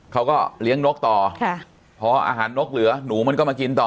เขาก็เลี้ยงนกต่อค่ะพออาหารนกเหลือหนูมันก็มากินต่อ